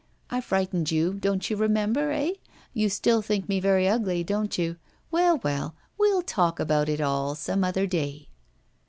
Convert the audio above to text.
I frightened you, don't you remember, eh? You still think me very ugly, don't you? Well, well, we'll talk about it all some other day.